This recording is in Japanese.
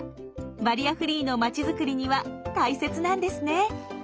バリアフリーの町づくりには大切なんですね。